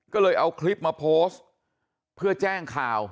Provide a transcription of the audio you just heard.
ก็เลยเอาคลิปมาโพสต์เพื่อแจ้งข่าว